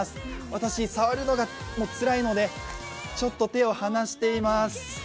私、触るのがつらいのでちょっと手を離しています。